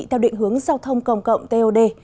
theo định hướng giao thông cộng cộng tod